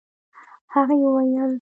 هغې وويل: